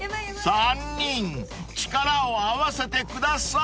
［３人力を合わせてください］